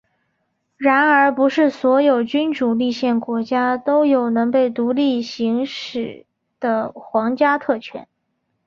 然而不是所有君主立宪国家都有能被独立行使的皇家特权。